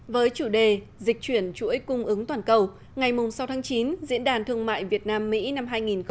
với chủ đề dịch chuyển chuỗi cung ứng toàn cầu ngày sáu tháng chín diễn đàn thương mại việt nam mỹ năm hai nghìn một mươi chín